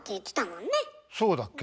そうだっけ？